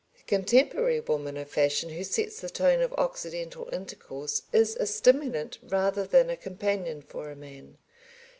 The contemporary woman of fashion who sets the tone of occidental intercourse is a stimulant rather than a companion for a man.